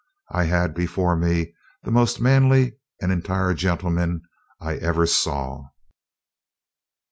... I had before me the most manly and entire gentleman I ever saw."